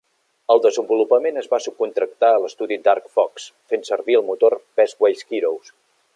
El desenvolupament es va subcontractar a l'estudi Dark Fox, fent servir el motor Best Way's Heroes.